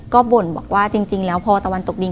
ก็บ่นบอกว่าจริงแล้วพอตะวันตกดิน